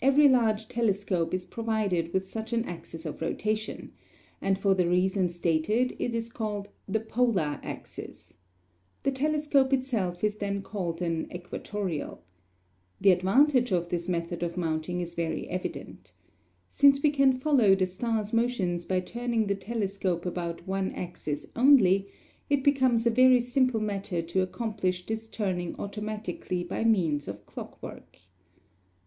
Every large telescope is provided with such an axis of rotation; and for the reason stated it is called the "polar axis." The telescope itself is then called an "equatorial." The advantage of this method of mounting is very evident. Since we can follow the stars' motions by turning the telescope about one axis only, it becomes a very simple matter to accomplish this turning automatically by means of clock work.